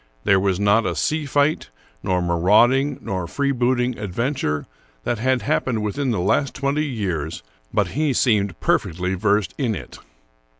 There was not a sea fight, nor marauding nor freebooting adventure that had happened within the last twenty years, but he seemed perfectly versed in it.